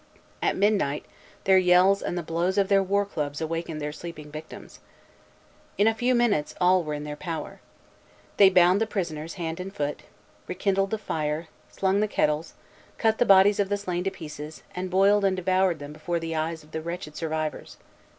At midnight, their yells and the blows of their war clubs awakened their sleeping victims. In a few minutes all were in their power. They bound the prisoners hand and foot, rekindled the fire, slung the kettles, cut the bodies of the slain to pieces, and boiled and devoured them before the eyes of the wretched survivors.